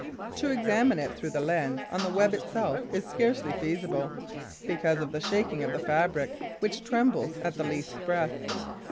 To examine it through the lens on the web itself is scarcely feasible, because of the shaking of the fabric, which trembles at the least breath.